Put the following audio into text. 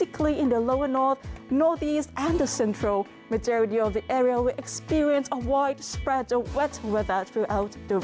ความรุนแรงทุกวันค่ะ